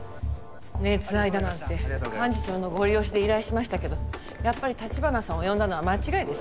熱愛だなんて幹事長のゴリ押しで依頼しましたけどやっぱり橘さんを呼んだのは間違いでした。